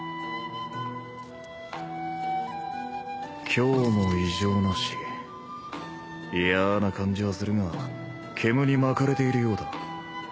今日も異常なし嫌ぁな感じはするがけむに巻かれているようだ